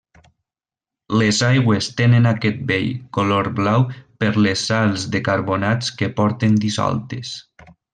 Les aigües tenen aquest bell color blau per les sals de carbonats que porten dissoltes.